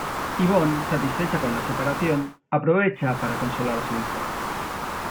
Yvonne, satisfecha con la separación, aprovecha para consolar a su hijo.